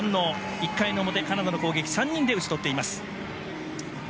１回の表、カナダの攻撃３人で打ち取っています。